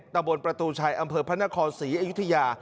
ตะบนประตูชัยอำเภอพระนครศรีอยุธยา